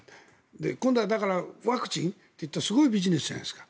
今度はワクチンすごいビジネスじゃないですか。